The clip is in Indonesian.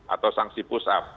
atau sanksi push up